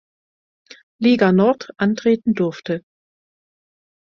Liga Nord antreten durfte.